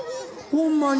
ほんまに。